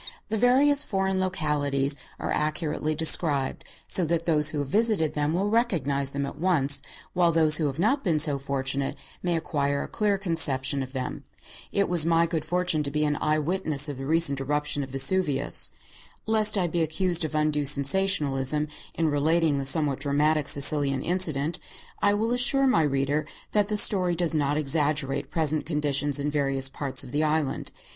The various foreign localities are accurately described, so that those who have visited them will recognize them at once, while those who have not been so fortunate may acquire a clear conception of them. It was my good fortune to be an eye witness of the recent great eruption of Vesuvius. Lest I be accused of undue sensationalism in relating the somewhat dramatic Sicilian incident, I will assure my reader that the story does not exaggerate present conditions in various parts of the island.